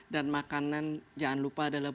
dan makanan jangan lupa adalah